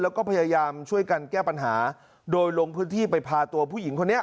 แล้วก็พยายามช่วยกันแก้ปัญหาโดยลงพื้นที่ไปพาตัวผู้หญิงคนนี้